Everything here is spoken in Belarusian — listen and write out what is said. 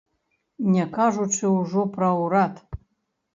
Не кажучы ўжо пра ўрад.